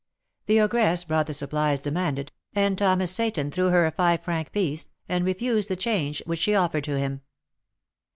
The ogress brought the supplies demanded, and Thomas Seyton threw her a five franc piece, and refused the change which she offered to him.